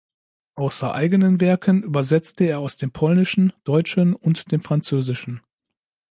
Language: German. Außer eigenen Werken übersetzte er aus dem Polnischen, Deutschen und dem Französischen.